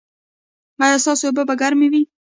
ایا ستاسو اوبه به ګرمې وي؟